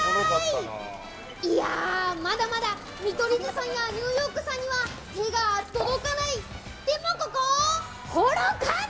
いやあ、まだまだ見取り図さんやニューヨークさんには、手が届かない、でもここ、幌加内。